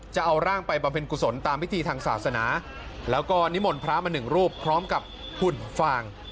จะเอาร่างไปบำเพ็ญกุศลตามพิธีทางศาสนาแล้วก็นิมนต์พระมาหนึ่งรูปพร้อมกับหุ่นฟาง